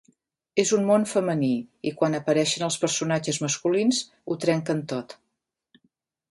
És un món femení, i quan apareixen els personatges masculins ho trenquen tot.